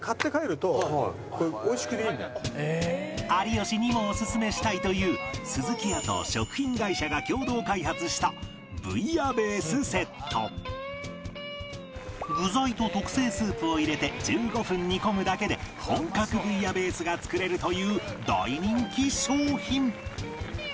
有吉にもオススメしたいというスズキヤと食品会社が共同開発したブイヤベースセット具材と特製スープを入れて１５分煮込むだけで本格ブイヤベースが作れるという大人気商品